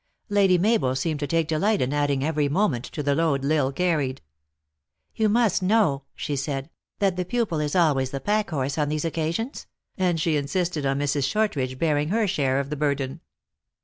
Lady Mabel seemed to take delight in adding every moment to the load L Isle carried. " You must know," she said, " that the pupil is always the packhorse on these occasions," and she insisted on Mrs. Shortridge bearing her share of the burden.